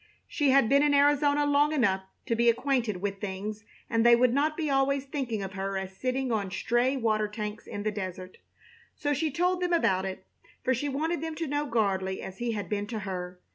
She had been in Arizona long enough to be acquainted with things, and they would not be always thinking of her as sitting on stray water tanks in the desert; so she told them about it, for she wanted them to know Gardley as he had been to her.